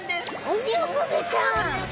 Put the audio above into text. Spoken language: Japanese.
オニオコゼちゃん！